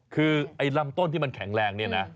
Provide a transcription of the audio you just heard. คือไอ้ลำต้นที่มันแข็งแรงเนี่ยนะ